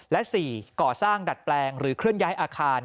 และ๔ก่อสร้างดัดแปลงหรือเคลื่อนย้ายอาคาร